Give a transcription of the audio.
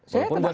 saya tetap saja